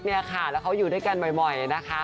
แล้วเขาอยู่ด้วยกันหม่อยนะคะ